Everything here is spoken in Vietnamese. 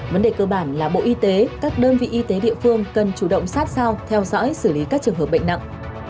vấn đề cơ bản là bộ y tế các đơn vị y tế địa phương cần chủ động sát sao theo dõi xử lý các trường hợp bệnh nặng